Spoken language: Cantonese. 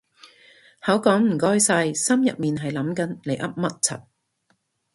口講唔該晒心入面係諗緊你噏乜柒